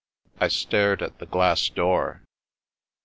I stared at the glass door.